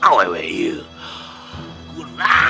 kau tidak bisa menang